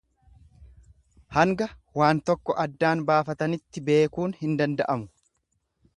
Hanga waan tokko addaan baafatanitti beekuun hin danda'amu.